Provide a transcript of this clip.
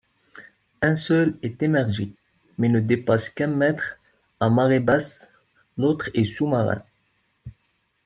Un seul est émergé mais ne dépasse qu'un mètre à marée-basse, l'autre est sous-marin.